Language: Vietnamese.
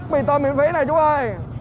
mì tôm miễn phí này chú ơi